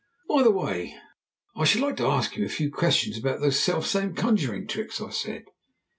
"By the way, I should like to ask you a few questions about those self same conjuring tricks," I said.